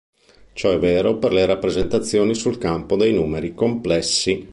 Ciò è vero per le rappresentazioni sul campo dei numeri complessi.